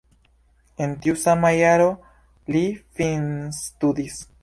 En tiu sama jaro li finstudis.